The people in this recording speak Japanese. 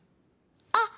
あっ！